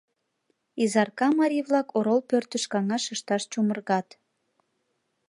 Изарка марий-влак орол пӧртыш каҥаш ышташ чумыргат.